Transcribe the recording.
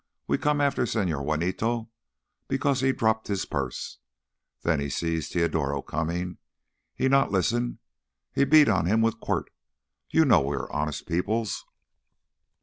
We come after Señor Juanito because he dropped his purse. Then he see Teodoro coming, he not listen—he beat on him with quirt. You know, we are honest peoples!"